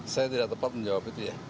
saya tidak tepat menjawab itu ya